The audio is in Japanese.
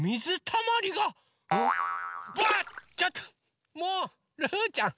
ちょっともうルーちゃん